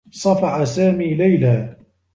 صفع سامي ليلى.